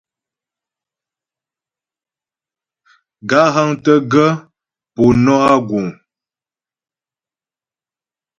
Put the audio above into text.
Gaə̂ hə́ŋtə́ gaə̂ po nɔ́ a guŋ ?